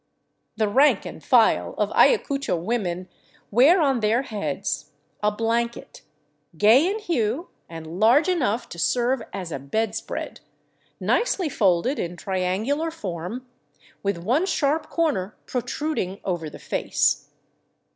The rank and file of Aya cucho women wear on their heads a blanket, gay in hue and large enough to serve as a bedspread, nicely folded in triangular form, with one sharp corner protruding over the face.